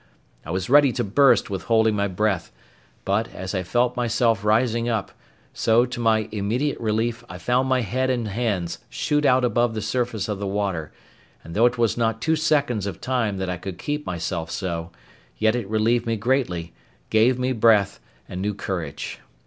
I was ready to burst with holding my breath, when, as I felt myself rising up, so, to my immediate relief, I found my head and hands shoot out above the surface of the water; and though it was not two seconds of time that I could keep myself so, yet it relieved me greatly, gave me breath, and new courage.